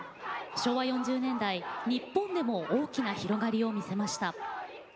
昭和４０年代、日本でも大きな広がりを見せました。